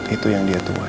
itu yang dia tuai